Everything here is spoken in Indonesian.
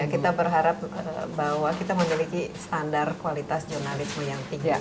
kita berharap bahwa kita memiliki standar kualitas jurnalisme yang tinggi